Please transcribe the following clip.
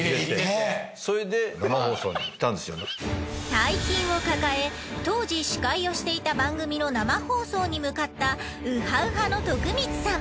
大金を抱え当時司会をしていた番組の生放送に向かったウハウハの徳光さん。